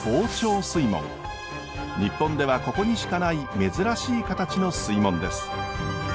日本ではここにしかない珍しい形の水門です。